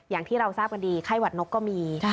อย่างที่เราทราบกันดีไข้หวัดนกก็มี